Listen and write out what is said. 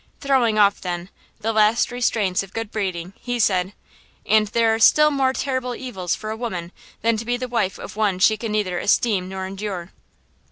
Throwing off, then, the last restraints of good breeding, he said: "And there are still more terrible evils for a woman than to be the wife of one she 'can neither esteem nor endure!'"